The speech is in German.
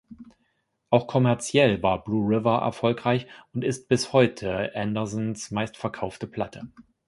Auch kommerziell war "Blue River" erfolgreich und ist bis heute Andersens meistverkaufte Platte.